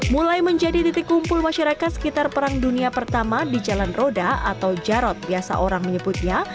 mulai menjadi titik kumpul masyarakat sekitar perang dunia pertama di jalan roda atau jarot biasa orang menyebutnya